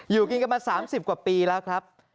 อยู่กินกันมา๓๐กว่าปีแล้วครับ